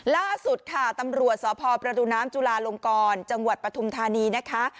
ล่าสุดค่ะตำรวจสพประตูน้ำจุลาลงกรจังหวัดปฐุมธานีนะคะ